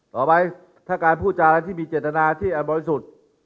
ต่อไปถ้าการพูดจาอะไรที่มีเจตนาที่อันบริสุทธิ์